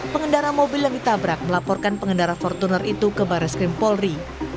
pengendara mobil yang ditabrak melaporkan pengendara fortuner itu ke baris krim polri